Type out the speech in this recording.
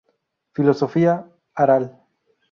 Filosofia, ara!